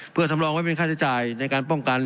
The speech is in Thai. เพื่อสำรองไว้เป็นค่าใช้จ่ายในการป้องกัน